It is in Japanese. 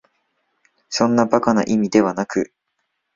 そんな馬鹿な意味ではなく、